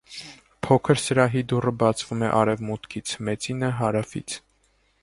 Փոքր սրահի դուռը բացվում է արևմուտքից, մեծինը՝ հարավից։